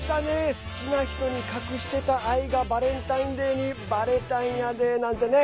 好きな人に隠していた愛がバレンタインデーにばれたんやでなんてね。